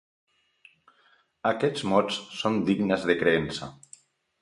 Aquests mots són dignes de creença.